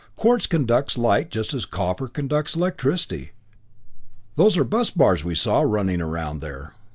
"Quartz conducts light just as copper conducts electricity those are bus bars we saw running around there.